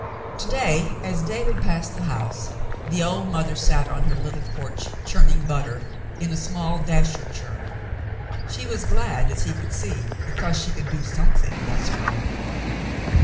To day, as David passed the house, the old mother sat on her little p(5rch churning butter in a small dasher churn. She was glad, as he could see, because she could do some thing once more.